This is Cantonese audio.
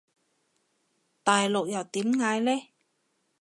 大陸又點嗌呢？